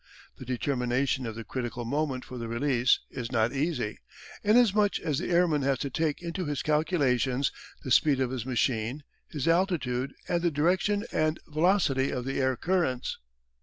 The determination of the critical moment for the release is not easy, inasmuch as the airman has to take into his calculations the speed of his machine, his altitude, and the direction and velocity of the air currents.